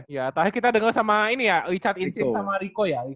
iya kita denger sama ini ya richard insit sama rico ya